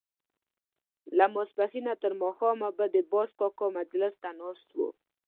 له ماسپښينه تر ماښامه به د باز کاکا مجلس ته ناست وو.